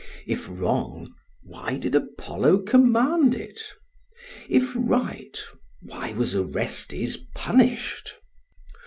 If wrong, why did Apollo command it? If right, why was Orestes punished?